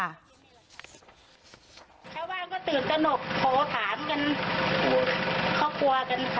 แค่ว่าก็ตื่นกระหนกโผล่ถามกันก็กลัวกันค่ะ